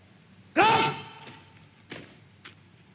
untuk pasukan dan pesawat